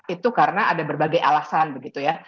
itu karena ada berbagai alasan begitu ya